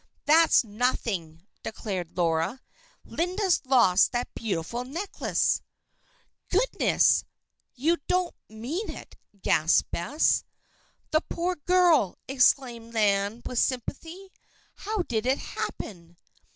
"That's nothing," declared Laura. "Linda's lost that beautiful necklace." "Goodness! you don't mean it?" gasped Bess. "The poor girl!" exclaimed Nan, with sympathy. "How did it happen?"